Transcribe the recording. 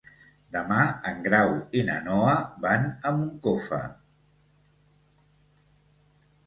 Demà en Grau i na Noa van a Moncofa.